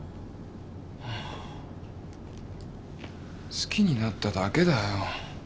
好きになっただけだよ。